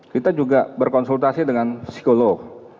kita juga berkonsultasi dengan psikolog